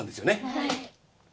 はい。